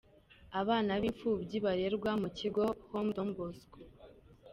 Abana b'imfubyi barererwa mu kigo Home don Bosco.